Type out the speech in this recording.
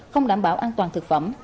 không đảm bảo an toàn thực phẩm